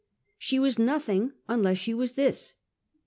She was nothing unless she was this.